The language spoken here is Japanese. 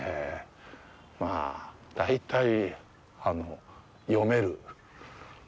まあ、大体読める。